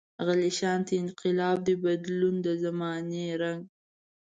غلی شانته انقلاب دی، بدلوي د زمانې رنګ.